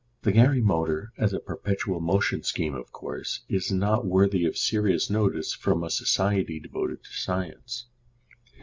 The Gary Motor as a perpetual motion scheme, of course, is not worthy of serious notice from a society devoted to science.